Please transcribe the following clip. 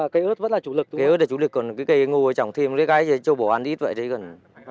cây ớt là chủ lực còn cái cây ngô trồng thêm cái cái cho bổ ăn ít vậy đấy còn